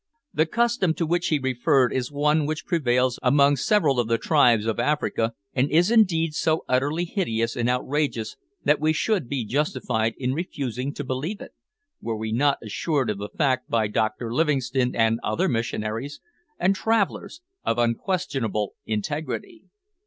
The custom to which he referred is one which prevails among several of the tribes of Africa, and is indeed so utterly hideous and outrageous that we should be justified in refusing to believe it, were we not assured of the fact by Dr Livingstone and other missionaries and travellers of unquestionable integrity.